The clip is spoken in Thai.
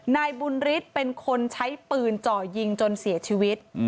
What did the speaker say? นายบุญฤทธิ์เป็นคนใช้ปืนจ่อยิงจนเสียชีวิต